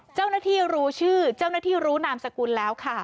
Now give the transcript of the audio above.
เจ้าหน้าที่รู้ชื่อเจ้าหน้าที่รู้นามสกุลแล้วค่ะ